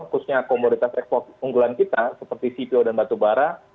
khususnya komoditas ekspor unggulan kita seperti sipil dan batubara